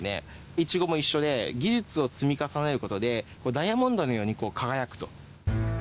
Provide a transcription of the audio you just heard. イチゴも一緒で、技術を積み重ねることで、ダイヤモンドのように輝くと。